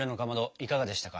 いかがでしたか？